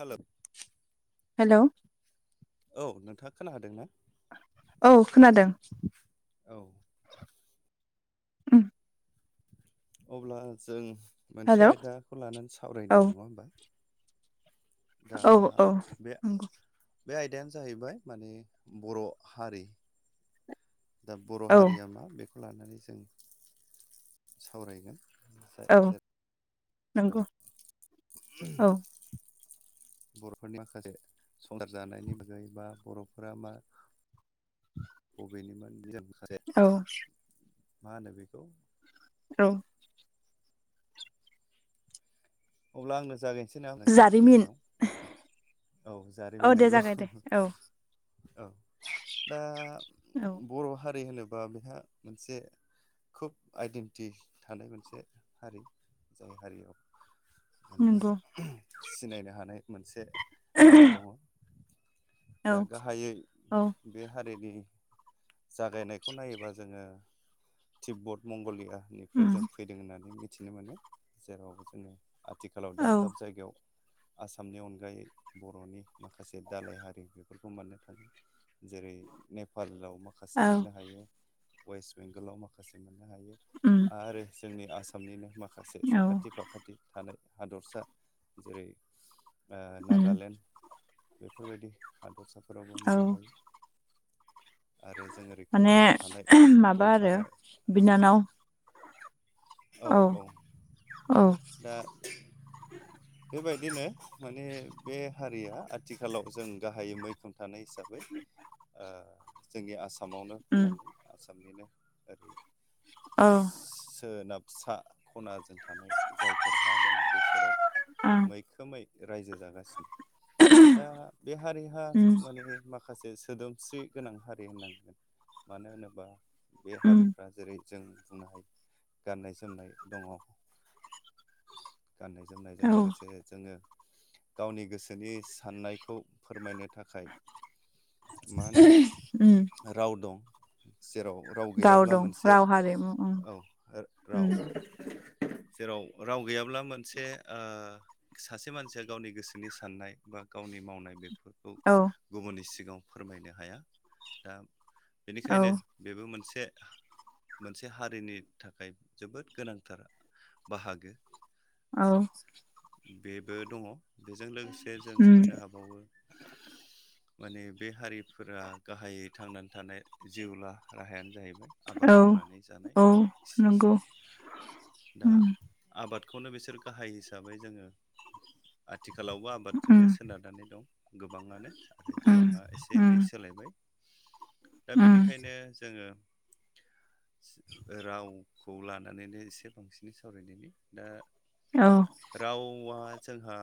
हेल' hello औ नोंथां खोनादोंना? औ खोनादों। औ उम अब्ला जों मोनसे हेलौ आयदाखौ लानानै औ सावरायनाय नङा होमबा दा औ औ बे नंगौ बे आयदायानो जाहैबाय माने बर' हारि दा बर' औ हारिया मा बेखौ लानानै जों सावरायगोन औ [unintelligible] औ नंगौ [unintelligible] औ बर'फोरनि माखासे संसार जानायनि बागै बा बर'फोरा मा बबेनिमोन औ [unintelligible] मा होनो बेखौ औ अब्ला आंनो जागायनोसै नामा नोंथां जारिमिन गिबियाव औ औ जारिमिन दे नंगौ जागाय दे औ औ दा [unintelligible] औ बर' हारि होनोबा बेहा मोनसे खोब आइडेन्टि थानाय मोनसे हारि जाय हारियाव [unintelligible] नंगौ माने सिनायनो हानाय मोनसे लामा दङ' औ दा गाहायै औ बे हारिनि जागायनायखौ नायोबा जोङो थिब्बत मंगलिया निफ्राय जों उम फैदों होननानै मिथिनो मोनो जेराव जोङो आथिखालाव औ दाब दाब जायगायाव आसामनि अनगायै बर'नि माखासे दालाय हारि बेफोरखौ मोननो थाङो जेरै नेपालाव माखा माखासे औ मोननो हायो वेस्ट बेंगलाव माखासे मोननो हायो उम आरो जोंनि आसा आसामनिनो माखासे औ साखाथि फाखाथि थानाय हादरसा जेरै ओ उम नागालेण्ड बेफोरबायदि हादरसाफोरावबो औ मोननो हायो आरो जों ओरै माने खोलाहा थानाय माबा आरो गवालपारा ओनसोल बिनानाव औ औ औ दा बेबायदिनो माने बे हारिया आथिखालाव जों गाहायै मैखोम थानाय हिसाबै ओ जोंनि आसामावनो उम बुंनांगोन आसामनिनो ओरै औ सोनाब फिसा खनाजों थानाय जायफोर हा दं बेसोराव ओं मैख खोमै रायजो जागासिनो दा बे हारिहा उम माने माखासे सोदोम स्रि गोनां हारि होननांगोन मानो होनोबा बे उम हारिफ्रा जेरै जों बुंनो हायो गाननाय जोमनाय दङ गाननाय जोमनायजों औ लोगोसे जोङो गावनि गोसोनि साननायखौ फोरमायनो थाखाय मा उम होनो राव दं जेराव राव गैयाब्ला दं मोनसे राव हारिमु उम औ राव उम जेराव राव गैयाब्ला मोनसे ओ सासे मानसिया गावनि गोसो सोनि साननाय बा गावनि मावनाय बेफोरखौ औ गुबुननि सिगाङाव फोरमायनो हाया दा औ बेनिखायनो बेबो मोनसे मोनसे हारिनि थाखाय जोबोद गोनांथार बाहागो औ बेबो दङ बेजों लोगोसे जों उम मोननो हाबावो माने बे हारिफोरा गाहायै थांनानै थानाय जिउला राहायानो जाहैबाय औ आबाद मावनानै जानाय औ नंगौ दा उम आबादखौनो बिसोर गाहाय हिसाबै जोङो आथिखालावबो आबादजोंनो उम सोनारनानै दं गोबाङानो आरो उम गोबाङा एसे उम एनै सोलायबाय दा उम बेनिखायनो जोङो रावखौ लानानैनो एसे बांसिनै सावरायनायनि दा औ रावा जोंहा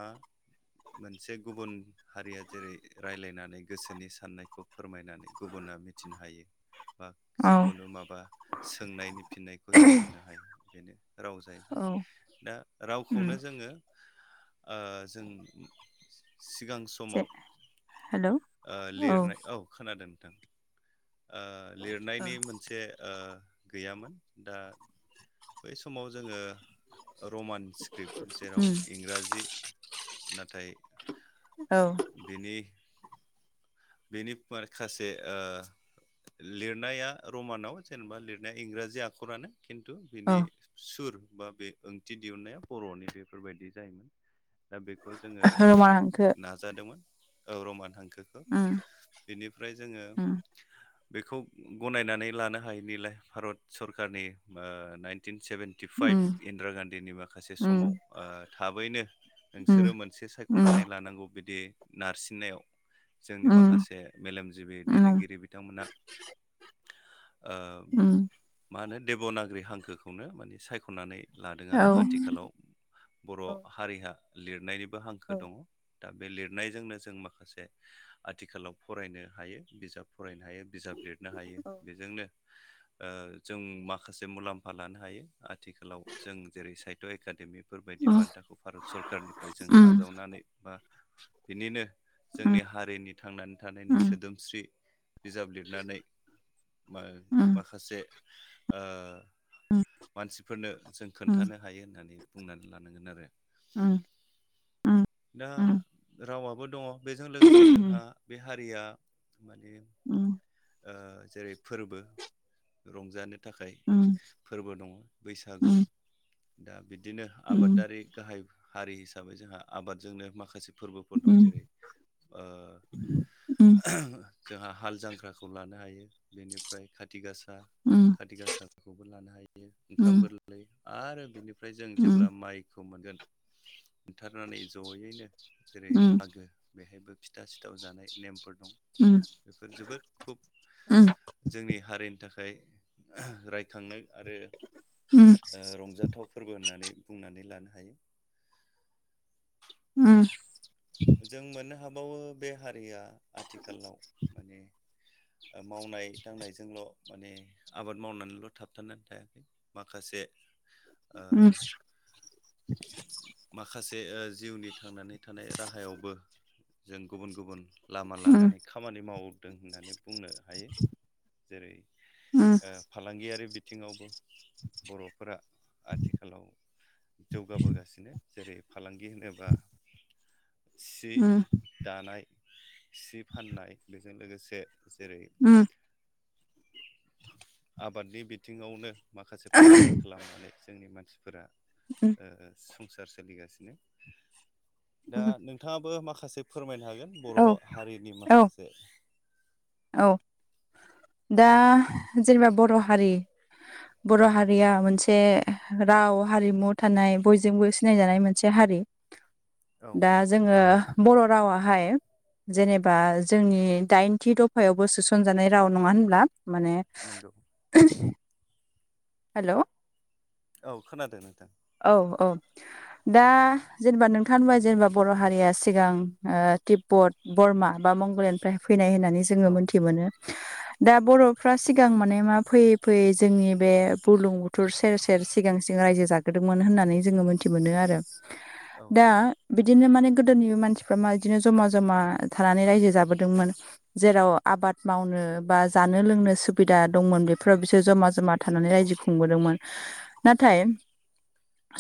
मोनसे गुबुन हारिया जेरै रायलायनानै गोसोनि साननायखौ फोरमायनानै गुबुना मिथिनो हायो बा औ जिखुनु माबा सोंनायनि फिननायखौ जों मोननो हायो बेनो राव जाहैबाय दा उम रावखौनो जोङो ओ जों सिगां जे समाव हेलौ लिरनाय ओ औ खोनादोंथों लिरनायनि मोनसे गैयामोन दा बै समाव जोङो रमान स्क्रिप्ट जेराव उम इंराजि नाथाय औ बिनि बेनि माखासे ओ लिरनाया रमानाव जेनेबा लिरनाया इंराजि आखरानो खिन्थु औ बिनि सुर बा बे ओंथि दिहुनन्नाया बर'नि बेफोरबायदि जायोमोन दा बेखौ जोङो रमान हांखो नाजादोंमोन रमान हांखोखौ उम बेनिफ्राय जोङो उम बेखौ गनायनानै लानो हायैनिलाय भारत सरकारनि नाइनटिन सेभेनटि इटि उम फाइभ इन्दिरा गान्धीनि माखासे उम समाव थाबैनो उम नोंसोरो मोनसे उम सायख'नानै लानांगौ बिदि नारसिननायाव जोंनि उम माखासे मेलेमजिबि उम दैदेनगिरि बिथांमोना ओ उम मा होनो देब'नागिरि हांखोखौनो माने सायख'नानै लादों औ आरो आथिखालाव बर' औ हारिया लिरनायनिबो औ हांखो दङ दा बे लिरनायजोंनो जों माखासे आथिखालाव फरायनो हायो बिजाब फरायनो हायो बिजाब लिरनो हायो बेजोंनो जों माखासे मुलाम्फा लानो हायो आथिखालाव जों जेरै साय ब' एकाडेमिफोर बायदि उम उम बान्थाखौ भारत सरकारनिफ्राय जों उम आजावनानै बा बिनिनो जोंनि हारिनि थांनानै थानायनि उम उम सोदोमस्रि बिजाब लिरनानै म उम माखासे ओ मानसिफोरनो जों खोन्थानो उम हायो होननानै बुंनानै लानांगोन आरो [unintelligible] उम दा उम उम उम रावाबो दङ बेजों लोगोसे जोंहा उम उम बे हारि हारिया मान जेरै फोरबो रंजानो थाखाय फोरबो दङ बैसागु दा बि बिदिनो आबादारि गाहाय हारि हिसाबै जोंहा आबादजोंनो माखासे फोरबोफोर दं जेरै उम ओ जोंहा हाल जांख्राखौ लानो हायो बेनिफ्राय खाथि गासा खारति गासाखौबो लानो हायो ओंखाम गोरलै आरो बेनिफ्राय जों जेब्ला माइ खौ मोनगोन थारनानै जयैनो जेरै उम मागो बेहायबो फिथा सिथाव जानाय नेमफोर दं उम बेफोर जोबोद खुब उम जोंनि हारिनि थाखाय रायखांनाय आरो उम रंजाथाव फोरबो होननानै बुंनानै लानो हायो उम जों मोननो हाबावो बे हारिया आथिखालाव माने मावनाय दांनायजोंल' माने आबाद मावनानैल' थाबथानानै थायाखै माखासे ओ उम माखासे जिउनि थांनानै थानाय राहायावबो जों गुबुन गुबुन लामा उम लानानै खामानि मावदों होननानै बुंनो हायो जेरै उम फालांगियारि बिथिङावबो बर'फोरा आथिखालाव जौगाबोगासिनो जेरै फालांगि होनोबा सि उम दानाय सि फाननाय बेजों लोगोसे जेरै उम आबादनि बिथिङावनो माखासे फालांगि खालामनानै जोंनि मानसिफोरा उम संसार सोलिगासिनो दा उम नों नोंथाङाबो माखासे फोरमायनो हागोन बर' औ हारिनि औ माखासे औ दा जेनेबा बर' हारि बर' हारिया मोनसे राव हारिमु थानाय बयजोंबो सिनायजानाय मोनसे हारि [unintelligible] औ दास जोङो बर' रावाहाय जेनेबा जोंनि दाइनथि हायावबो सोसनजानाय राव नङा होनब्ला माने नोंगौ [unintelligible] हेल' औ खोनादों नोंथां औ औ दा जेनेबा नोंथांबा जेनेबा बर' हारिया सिगां टिप बट बरमा बा मंगलयानिफ्राय फैनाय होननानै जोङो औ मोन्थि मोनो [inaudible] दा बर'फ्रा सिगां माने मा फैयै फैयै जोंनि बे बुरलुंबुथुर सेर सेर सेर सिगां सिं रायजो जाग्रोदोंमोन होननानै जोङो मोनथि मोनो आरो औ दा नंगौ बिदिनो माने गोदोनि मानसिफ्रा मा बिदिनो जमा जमा थानानै रायजो जाबोदोंमोन जेराव आबाद मावनो बा जानो लोंनो सुबिदा दंमोन बेफोराव बिसोर जमा जमा थानानै रायजो खुंबोदोंमोन नाथाय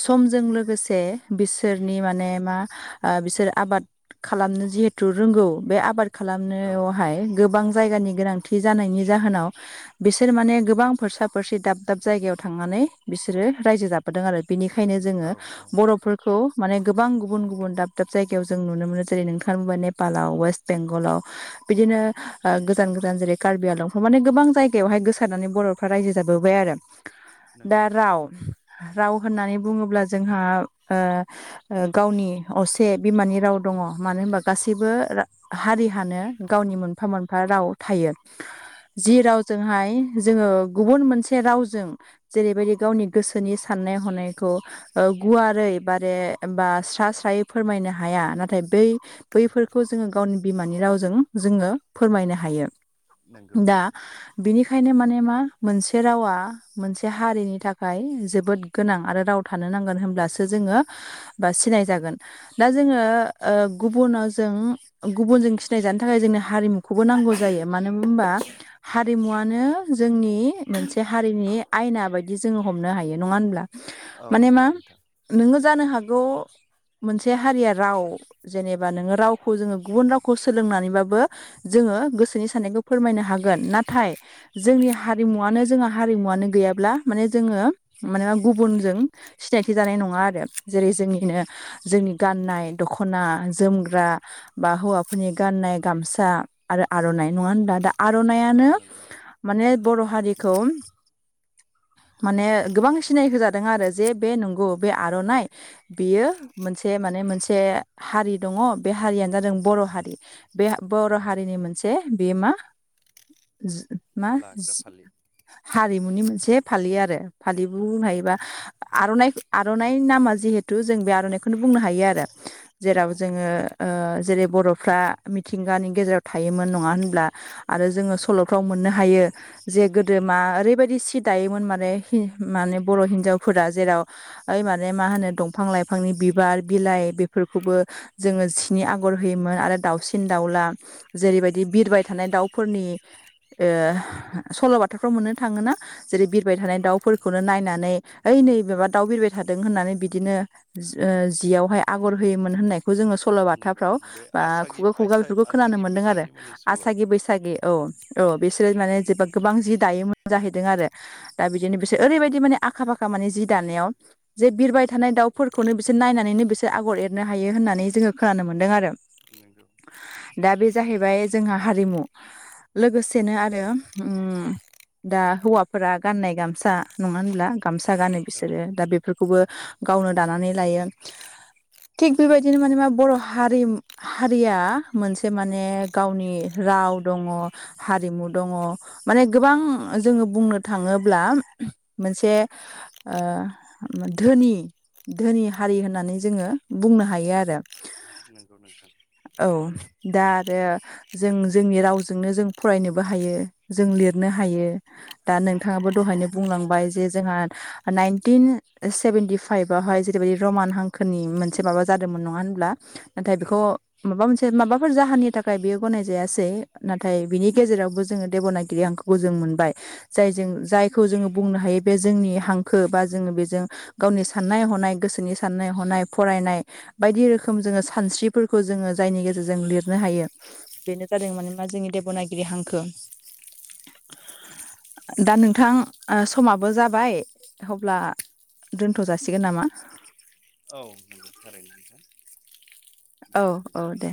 समजों लोगोसे बिसोरनि माने मा बिसोर आबाद खालामनो जिहेथु रोंगौ बे आबाद औ खालामनोआवहाय गोबां जायगानि गोनांथि जानायनि जाहोनाव बिसोर माने गोबां फोरसा फोरसि दाब दाब जायगायाव थांनानै बिसोरो रायजो जाब दों आरो बेनिखायनो जो औ औ बर' खौ माने गोबां गुबुन गुबुन दाब दाब जायगायाव जों नुनो मोनो जेरै नोंथाङा बुंबाय नेपालाव वेस्ट बेंगलाव बिदिनो गोजान गोजान जेरै कार्बि आलंफोर माने गोबां जायगायावहाय गोसारनानै बर'फ्रा रायजो जाबोबाय आरो दा नंगौ राव राव होननानै बुङोब्ला जोंहा ओ गावनि असे बिमानि राव दङ मानो होनबा गासैबो हारि फोरानो गावनि मोनफा मोनफा राव थायो जि औ राव जोंहाय जोङो गुबुन मोनसे रावजों जेरैबायदि गावनि गोसो गोसोनि साननाय हनायखौ गुवारै बारे बा स्रा स्रायै फोरमायनो हाया नाथाय बै बैफोरखौ जोङो गावनि बिमानि रावजों जोङो फोरमायनो हायो नंगौ दा बिनिखायनो माने मा मोनसे रावा मोनसे हारिनि थाखाय जोबोद गोनां आरो राव थानो नांगोन होनोमब्लासो जोङो बा सिनाय जागोन दा जोङो ओ गुबुनाव जों गुबुनजों सिनायजानो थाखाय जोंनि हारिमुखौ खौबो नांगौ जायो मानो होनबा हारिमुवानो जोंनि नि मोनसे हारिनि आयना बायदि जोङो हमनो हायो नङा होमब्ला औ माने मा नंगौ नोंथां नोङो जानो हागौ मोनसे हारिया राव जेनेबा नोङो रावखौ जोङो गुबुन रावखौ सोलोंनानैबाबो जोङो गोसोनि साननायखौ फोरमायनो हागोन नाथाय जोंनि हारिमुवानो जोंहा हारिमुवानो गैयाब्ला माने जोङो मानोना गुबुनजों सिनायथि जानाय नङा आरो जेरै जोंनिनो जोंनि गाननाय दख'ना जोमग्रा बा हौवाफोरनि गाननाय गामसा आरो आर'नाइ नङा होनना दा आर'नायानो औ नंगौ माने बर' हारिखौ माने गोबां सिनाय होजादों आरो जे बे नंगौ बे आर'नाइ बेयो मोनसे माने मोनसे हारि दङ बे हारियानो जादों बर' हारि बे बर' हारिनि मोनसे बे मा मा लाग्रा फालि हारिमुनि मोनसे फालि आरो फालिबो बुंनो हायो बा आर'नाइ आर'नाइ नामा जिहेथु जों बे आर'नाइखौनो बुंनो हायो आरो औ जेराव जोङो ओ जेरै बर'फ्रा मिथिंगानि गेजेराव थायोमोन नङा होनब्ला आरो जोङो सल'फ्राव मोननो हायो जे गोदो मा ओरैबायदि सि दायोमोन माने माने बर' हिन्जावफोरा जेराव ओइ माने मा होनो दंफां लाइफांनि बिबार बिलाइ बेफोरखौबो जोङो जिनि आगर होयोमोन आरो दाउसिन दाउला जेरैबायदि बिरबाय थानाय दाउफोरनि ओ औ नंगौ सल' बाथाफ्राव मोननो थाङोना जेरै बिरबाय थानाय नंगौ दाउ थारैनो होननानै ओइ नै माबा दाउ बिरबाय थादों होननानै बिदिनो जियावहाय आगर होयोमोन होननायखौ जोङो नंगौ सल'बाथाफ्राव बे बा आसागि खुगा खुगा आयसा बेफोरखौ खोनानो आसागि मोनदों आरो बैसागि मानि सल' आसागि बैसाग सागि औ औ बिसोरो माने जे गोबां जि दायोमोन जाहैदों आरो दा बि बिदिनो बिसोर ओरैबायदि माने आखा फाखा माने जि दानायाव जे बिरबाय थानाय दाउफोरखौनो बिसोर नायनानैनो बिसोर आगर एरनो हायो होननानै जोङो खोनानो मोन्दों आरो। नोंगौ। दा बे जाहैबाय जोंहा हारिमु लोगोसेनो आरो दा हौवाफोरा गाननाय गाम गामसा नङा होनब्ला गामसा गानो औ बिसोरो दा नंगौ बेफोरखौबो गावनो दानानै लायो थिग बेबायदिनो माने मा बर' हारिमु हारिया मोनसे माने गावनि राव दङ हारिमु दङ माने गोबां जोङो बुंनो थाङोब्ला मोनसे धोनि धोनि हारि होननानै जोङो बुंनो हायो आरो नंगौ नोंथां। औ दा आरो जों जोंनि रावजोंनो जों फरायनोबो हायो जों लिरनो हायो दा नोंथाङाबो दहायनो बुंलांबाय जे जोंहा नाइनटिन सेभेेनटिफाइभावहाय जेरैबायदि रमान हांखोनि मोनसे माबा जादोंमोन नङा होनब्ला नाथाय बेखौ औ माबा मोनसे माबाफोर जाहोननि थाखाय बेयो गनाय जायासै नाथाय बिनि गेजेरावबो जोङो देब'नागिरि हांखो खौ जों मोनबाय जायजों जायखौ जोङो बुंनो हायो बे जोंनि हांखो बा जोङो बेजों गावनि साननाय हनाय गोसोनि साननाय हनाय फरायनाय बायदि रोखोम जोङो सानस्रिफोरखौ जोङो जायनि गेजेरजों लिरनो हायो। बेनो जादों माने मा जोंनि देब'नागिरि हांखो। [inaudible] दा नोंथां समाबो जाबाय अब्ला दोनथ' जासिगोन नामा? औ नंगौ थारैनो नोंथां। दे औ बिदिब्ला औ दे।